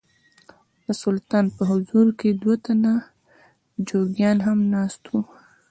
د سلطان په حضور کې دوه تنه جوګیان هم ناست وو.